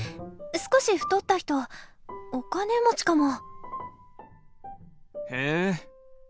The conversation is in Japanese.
少し太った人お金持ちかも」。